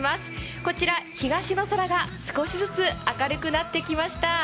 こちら東の空が少しずつ明るくなってきました。